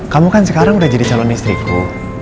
kamu kan sekarang udah jadi calon istriku